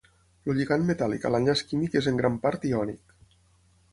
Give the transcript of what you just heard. El lligand metàl·lic a l'enllaç químic és en gran part iònic.